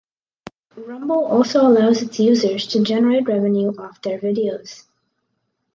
Rumble also allows its users to generate revenue off their videos.